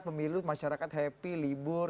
pemilu masyarakat happy libur